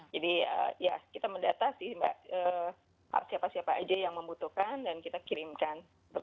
jadi ya kita mendata sih siapa siapa aja yang membutuhkan dan kita kirimkan